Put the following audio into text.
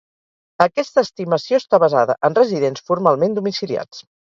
Aquesta estimació està basada en residents formalment domiciliats.